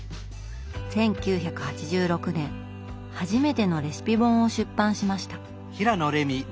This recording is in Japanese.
１９８６年初めてのレシピ本を出版しました。